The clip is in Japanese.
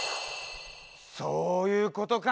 そういうことか！